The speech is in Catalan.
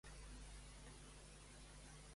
On va morir, d'acord amb el folklore?